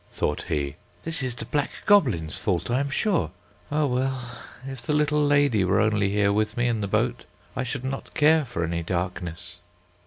thought he. "This is the black goblin's fault, I am sure. Ah, well, if the little lady were only here with me in the boat, I should not care for any darkness."